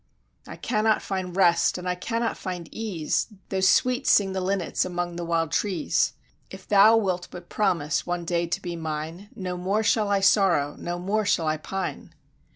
"I cannot find rest, and I cannot find ease, Though sweet sing the linnets among the wild trees; "If thou wilt but promise, one day to be mine, No more shall I sorrow, no more shall I pine."